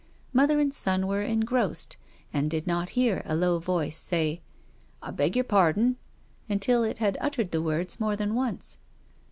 Mother and son were en grossed, and did not hear a low voice say, " I beg your pardon !" until it had uttered the words more than once.